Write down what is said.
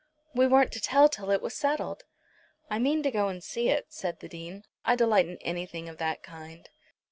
"We weren't to tell till it was settled." "I mean to go and see it," said the Dean. "I delight in anything of that kind."